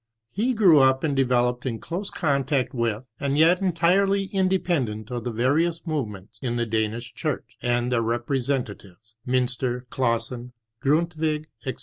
He grew up and developed in close contact with, and yet entirely independent of the various move ments in the Danish Church and their rep resentatives— Mynster, Clausen, Grundtvig, etc.